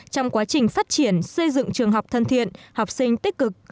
trong quá trình phát triển xây dựng trường học thân thiện học sinh tích cực